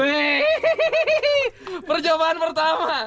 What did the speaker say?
wih perjawaban pertama